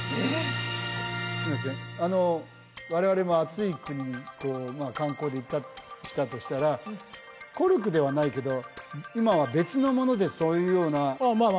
我々も暑い国に観光で行ったとしたらコルクではないけど今は別のものでそういうようなああ